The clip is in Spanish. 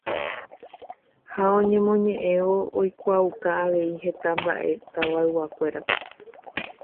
Y amonestando, otras muchas cosas también anunciaba al pueblo.